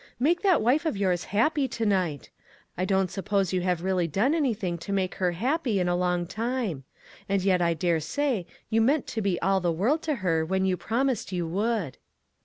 Make that wife of yours happy to night. I don't suppose you have really done anything to make her happy in a long time ; and yet I dare say you meant to be all the world to her when you promised you would."